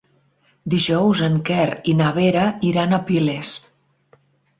Dijous en Quer i na Vera iran a Piles.